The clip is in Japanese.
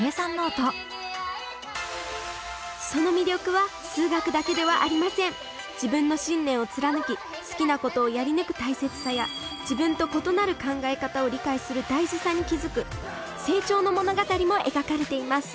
その魅力は数学だけではありません自分の信念を貫き好きなことをやり抜く大切さや自分と異なる考え方を理解する大事さに気づく成長の物語も描かれています